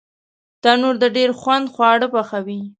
تنور د ډېر خوند خواړه پخوي